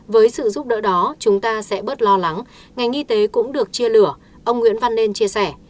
với sự giúp đỡ đó chúng ta sẽ bớt lo lắng ngành y tế cũng được chia lửa ông nguyễn văn nên chia sẻ